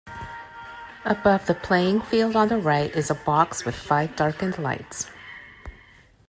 Above the playing field on the right is a box with five darkened lights.